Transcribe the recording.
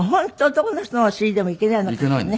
男の人のお尻でもいけないのかしらね。